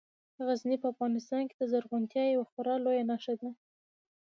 غزني په افغانستان کې د زرغونتیا یوه خورا لویه نښه ده.